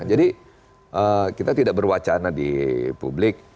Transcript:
jadi kita tidak berwacana di publik